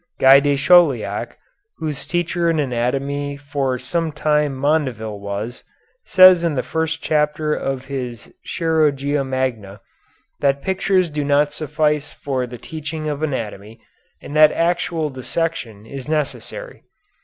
Guy de Chauliac, whose teacher in anatomy for some time Mondeville was, says in the first chapter of his "Chirurgia Magna" that pictures do not suffice for the teaching of anatomy and that actual dissection is necessary.